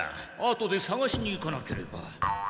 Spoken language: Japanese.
後でさがしに行かなければ。